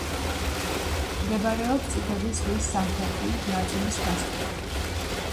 მდებარეობს წითელი ზღვის სამხრეთი ნაწილის გასწვრივ.